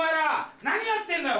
何やってんだよ